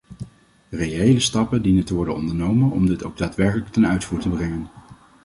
Reële stappen dienen te worden ondernomen om dit ook daadwerkelijk ten uitvoer te brengen.